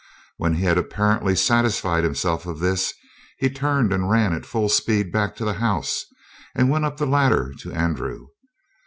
When he had apparently satisfied himself of this, he turned and ran at full speed back to the house and went up the ladder to Andrew.